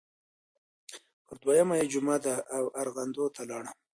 پر دویمه یې جمعه وه ارغنداو ته لاړم.